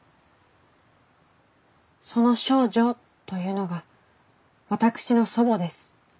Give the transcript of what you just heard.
その少女というのが私の祖母です。